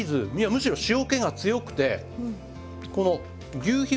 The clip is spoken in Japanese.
むしろ塩気が強くてこの求肥